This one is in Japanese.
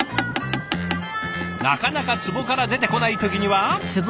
なかなか壺から出てこない時には。